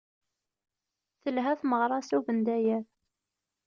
Telha tmeɣra s ubendayer.